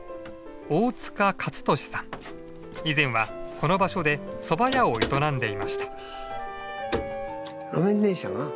以前はこの場所でそば屋を営んでいました。